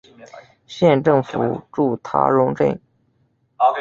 县政府驻塔荣镇。